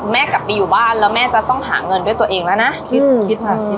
แม่กลับไปอยู่บ้านแล้วแม่จะต้องหาเงินด้วยตัวเองแล้วนะ